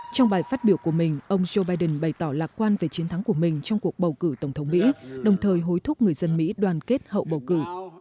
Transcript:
trong bài phát biểu của mình ông joe biden bày tỏ lạc quan về chiến thắng của mình trong cuộc bầu cử tổng thống mỹ đồng thời hối thúc người dân mỹ đoàn kết hậu bầu cử